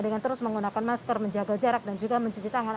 dengan terus menggunakan masker menjaga jarak dan juga mencuci tangan